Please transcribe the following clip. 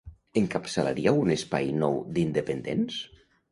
Encapçalaríeu un espai nou d’independents?